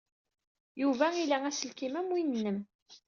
Yuba ila aselkim am win-nnem.